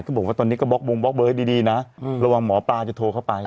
ท่านบอกว่าตอนนี้ก็บล๊อกเบอร์ดีนะระหว่างหมอปาวจะโทรเข้าไป